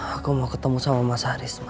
aku mau ketemu sama mas haris